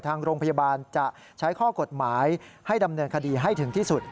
ทางโรงพยาบาลจะใช้ข้อกฎหมายให้ดำเนินคดีให้ถึงที่สุด